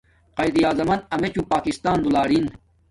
قایداعظم من امیچوں پاکستان دولارین